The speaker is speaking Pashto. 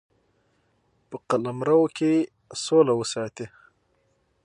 په قلمرو کې سوله وساتي.